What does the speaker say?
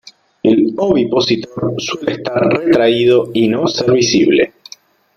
El ovipositor suele estar retraído y no ser visible.